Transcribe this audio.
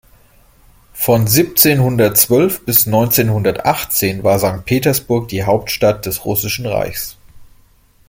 Von siebzehnhundertzwölf bis neunzehnhundertachtzehn war Sankt Petersburg die Hauptstadt des Russischen Reichs.